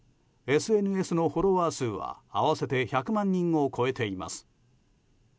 ＳＮＳのフォロワー数は合わせて１００万人を超えています。